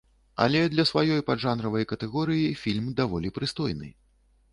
Але для сваёй паджанравай катэгорыі фільм даволі прыстойны.